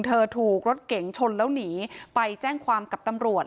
เธอถูกรถเก๋งชนแล้วหนีไปแจ้งความกับตำรวจ